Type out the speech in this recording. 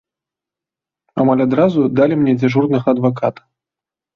Амаль адразу далі мне дзяжурнага адваката.